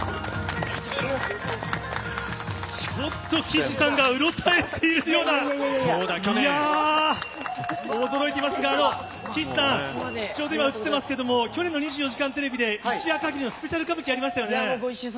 ちょっと岸さんがうろたえているような、驚きますが、岸さんちょうど今、映ってますが、去年の『２４時間テレビ』で一夜限りのスペシャル歌舞伎をやりましたよね。